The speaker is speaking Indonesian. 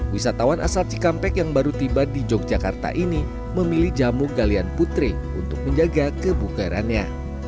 wisatawan asal cikampek yang baru tiba di yogyakarta ini memilih jamu galian putri untuk menjaga kebukarannya